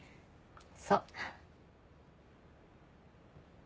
そう。